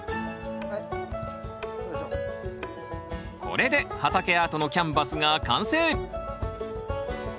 これで畑アートのキャンバスが完成！